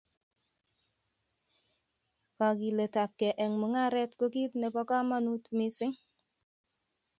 kokiletabkee eng mungaret ko kit nebo kamanut mising